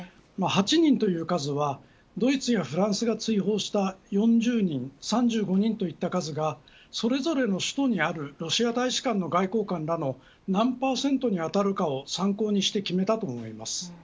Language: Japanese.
８人という数はドイツやフランスが追放した４０人３５人といった数がそれぞれの首都にあるロシア大使館の外交官らの何％に当たるかを参考にして決めていたと思います。